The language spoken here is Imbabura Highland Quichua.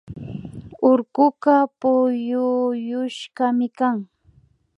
Urkuka puyuyashkami kan